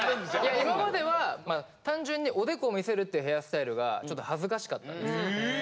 今までは単純におでこを見せるっていうヘアスタイルがちょっと恥ずかしかったんです。